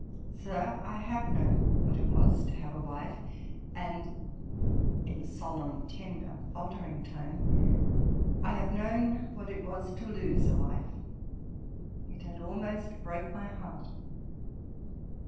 'Sir, I have known what it was to have a wife, and (in a solemn tender faultering tone) I have known what it was to lose a wife. It had almost broke my heart.'